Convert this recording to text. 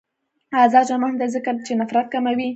آزاد تجارت مهم دی ځکه چې نفرت کموي.